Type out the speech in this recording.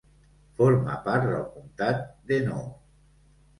Formà part del comtat d'Hainaut.